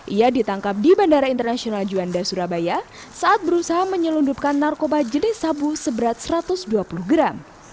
ia ditangkap di bandara internasional juanda surabaya saat berusaha menyelundupkan narkoba jenis sabu seberat satu ratus dua puluh gram